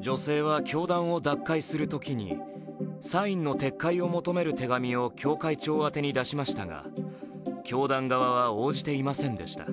女性は教団を脱会するときにサインの撤回を求める手紙を教会長宛てに出しましたが教団側は応じていませんでした。